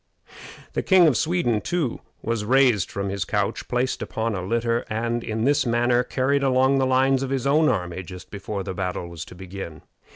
The King of Sweden, too, was raised from his couch, placed upon a litter, and in this manner carried along the lines of his own army just before the battle was to begin.